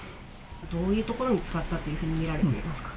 どういうところに使ったというふうに見られていますか。